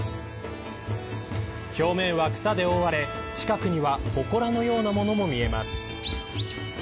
表面は草で覆われ、近くにはほこらのようなものも見えます。